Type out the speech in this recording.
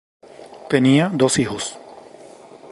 Tenía dos hijos.